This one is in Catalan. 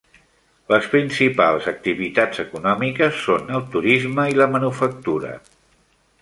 Les principals activitats econòmiques són el turisme i la manufactura.